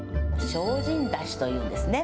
精進だしというんですよね。